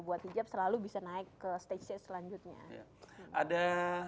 buat hitch up selalu bisa naik ke stage selanjutnya